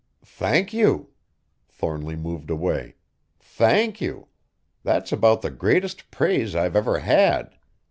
"Thank you!" Thornly moved away. "Thank you! That's about the greatest praise I've ever had.